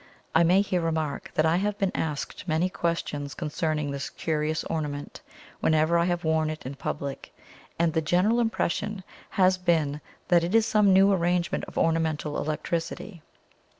I may here remark that I have been asked many questions concerning this curious ornament whenever I have worn it in public, and the general impression has been that it is some new arrangement of ornamental electricity.